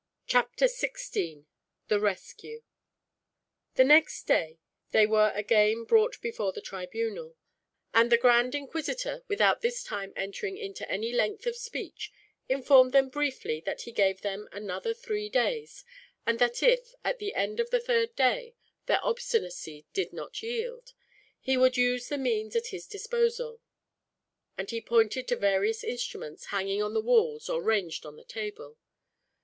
Chapter 16: The Rescue. The next day they were again brought before the tribunal, and the grand inquisitor, without this time entering into any length of speech, informed them briefly that he gave them another three days; and that if, at the end of the third day, their obstinacy did not yield, he would use the means at his disposal and he pointed to various instruments, hanging on the walls or ranged on the table.